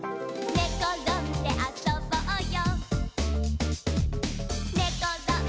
「ねころんであそぼうよ」